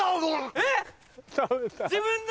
えっ！